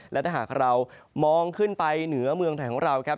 และถ้าหากเรามองขึ้นไปเหนือเมืองไทยของเราครับ